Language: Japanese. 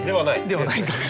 ではないか。